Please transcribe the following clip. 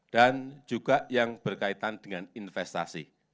dan juga yang berkaitan dengan investasi